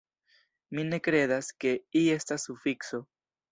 Mi ne kredas, ke -i- estas sufikso.